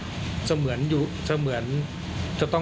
การเดินทางไปรับน้องมินครั้งนี้ทางโรงพยาบาลเวทธานีไม่มีการคิดค่าใช้จ่ายใด